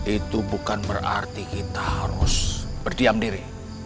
itu bukan berarti kita harus berdiam diri